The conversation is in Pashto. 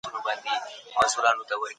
خپل کار ته پاملرنه وکړئ.